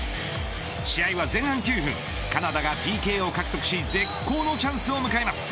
試合は前半９分カナダがＰＫを獲得し絶好のチャンスを迎えます。